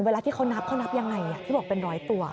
เวลาที่เขานับเขานับยังไงที่บอกเป็นร้อยตัว